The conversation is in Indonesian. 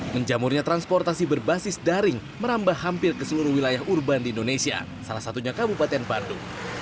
menjamurnya transportasi berbasis daring merambah hampir ke seluruh wilayah urban di indonesia salah satunya kabupaten bandung